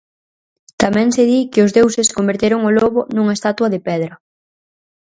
Tamén se di que os deuses converteron o lobo nunha estatua de pedra.